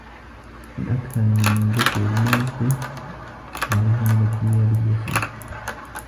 مَنْ أَكْثَرَ مِنْ ذِكْرِ الْمَوْتِ رَضِيَ مِنْ الدُّنْيَا بِالْيَسِيرِ